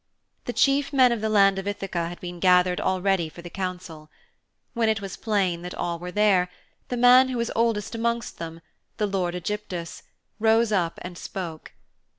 The chief men of the land of Ithaka had been gathered already for the council. When it was plain that all were there, the man who was oldest amongst them, the lord Ægyptus, rose up and spoke.